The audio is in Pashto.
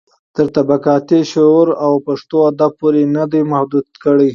تر طبقاتي شعور او پښتو ادب پورې يې نه دي محدوې کړي.